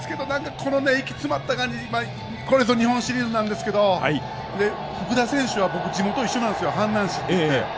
これぞ日本シリーズなんですけど、福田選手は地元一緒なんですよ、阪南市。